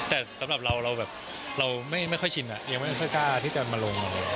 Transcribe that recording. แต่สำหรับเราเราแบบเราไม่ค่อยชินยังไม่ค่อยกล้าที่จะมาลงอะไร